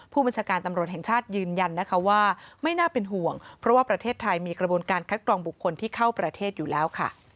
ผู้บัญชาการตำรวจแห่งชาติยืนยันนะคะว่าไม่น่าเป็นห่วงเพราะว่าประเทศไทยมีกระบวนการคัดกรองบุคคลที่เข้าประเทศอยู่แล้วค่ะ